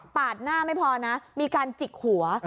หน้าไม่พอนะมีการจิกหัว